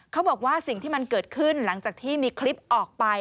เขาบอกว่าสิ่งที่มันเกิดขึ้นหลังจากที่มีคลิปออกไป